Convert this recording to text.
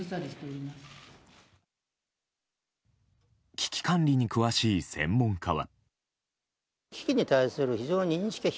危機管理に詳しい専門家は。